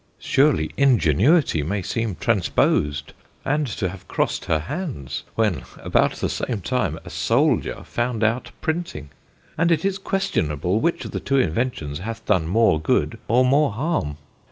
Surely ingenuity may seem transpos'd, and to have cross'd her hands, when about the same time a Souldier found out Printing; and it is questionable which of the two Inventions hath done more good, or more harm.